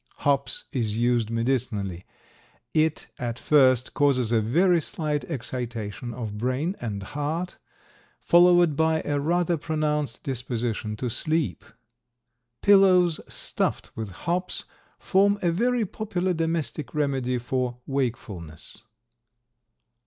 Hops is used medicinally. It at first causes a very slight excitation of brain and heart, followed by a rather pronounced disposition to sleep. Pillows stuffed with hops form a very popular domestic remedy for wakefulness.